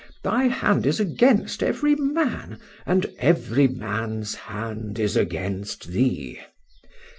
thy hand is against every man, and every man's hand against thee.